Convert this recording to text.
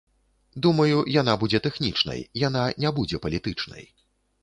Думаю, яна будзе тэхнічнай, яна не будзе палітычнай.